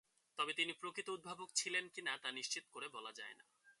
তবে, তিনি প্রকৃত উদ্ভাবক ছিলেন কি না, তা নিশ্চিত করে বলা যায় না।